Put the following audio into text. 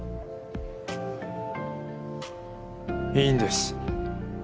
いいんです。